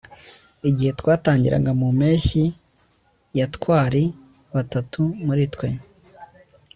Igihe twatangiraga mu mpeshyi ya twari batatu muri twe